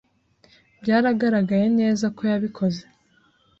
Byaragaragaye neza ko yabikoze.